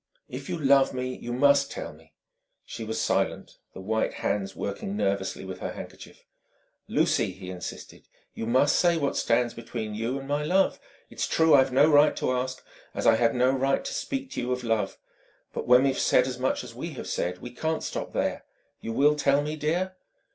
"If you love me, you must tell me." She was silent, the white hands working nervously with her handkerchief. "Lucy!" he insisted "you must say what stands between you and my love. It's true, I've no right to ask, as I had no right to speak to you of love. But when we've said as much as we have said we can't stop there. You will tell me, dear?"